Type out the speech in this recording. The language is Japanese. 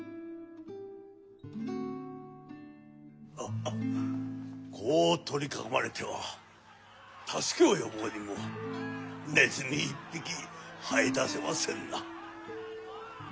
ハハッこう取り囲まれては助けを呼ぼうにもねずみ一匹はい出せませぬな。